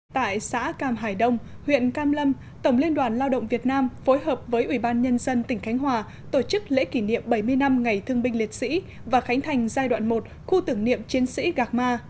tại xã cam hải đông huyện cam lâm tổng liên đoàn lao động việt nam phối hợp với ủy ban nhân dân tỉnh khánh hòa tổ chức lễ kỷ niệm bảy mươi năm ngày thương binh liệt sĩ và khánh thành giai đoạn một khu tưởng niệm chiến sĩ gạc ma